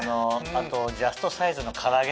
あとジャストサイズの唐揚ね。